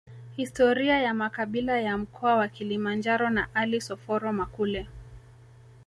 Historia ya makabila ya mkoa wa Kilimanjaro na Alice Oforo Makule